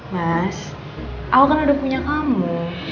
mas awal kan udah punya kamu